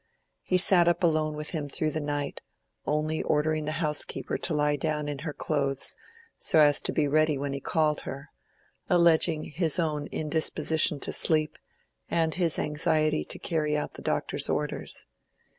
He sat up alone with him through the night, only ordering the housekeeper to lie down in her clothes, so as to be ready when he called her, alleging his own indisposition to sleep, and his anxiety to carry out the doctor's orders.